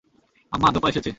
আম্মা, ধোপা এসেছে।